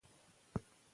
ښوونه باید دوام ولري.